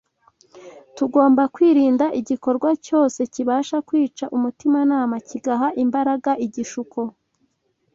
Tugomba kwirinda igikorwa cyose kibasha kwica umutimanama kigaha imbaraga igishuko